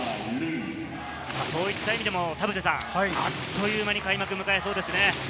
そういった意味でもあっという間に開幕を迎えそうですね。